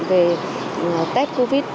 về test covid